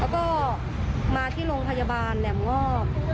แล้วก็มาที่โรงพยาบาลแหลมงอก